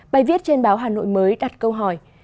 bài viết trên báo hà nội mới đặt câu hỏi